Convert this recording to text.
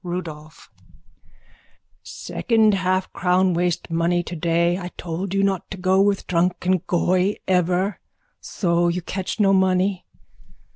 _ RUDOLPH: Second halfcrown waste money today. I told you not go with drunken goy ever. So you catch no money.